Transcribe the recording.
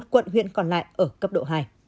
một mươi một quận huyện còn lại ở cấp độ hai